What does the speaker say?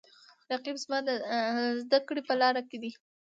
رقیب زما د زده کړې په لاره کې دی